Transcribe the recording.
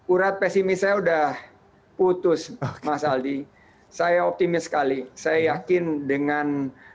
urat pesimis saya udah putus mas aldi saya optimis sekali saya yakin dengan